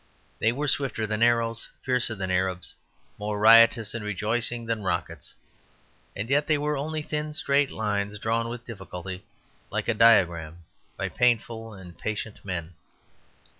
They were swifter than arrows, fiercer than Arabs, more riotous and rejoicing than rockets. And yet they were only thin straight lines drawn with difficulty, like a diagram, by painful and patient men.